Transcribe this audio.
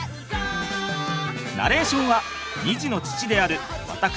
ナレーションは２児の父である私